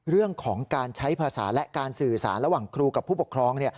เรื่องของการใช้ภาษาและการสื่อสารระหว่างครูกับผู้ปกครอง